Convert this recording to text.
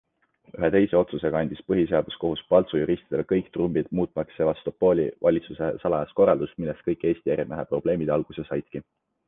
Ühe teise otsusega andis põhiseaduskohus Paltsu juristidele kõik trumbid muutmaks Sevastopoli valitsuse salajast korraldust, millest kõik Eesti ärimehe probleemid alguse saidki.